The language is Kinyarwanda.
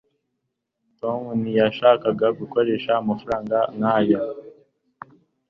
tom ntiyashakaga gukoresha amafaranga nkayo